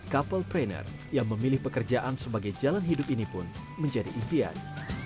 couple trainer yang memilih pekerjaan sebagai jalan hidup ini pun menjadi impian